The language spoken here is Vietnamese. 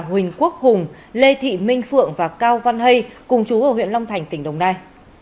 huỳnh quốc hùng lê thị minh phượng và cao văn hay cùng chú ở huyện long thành tỉnh đồng nai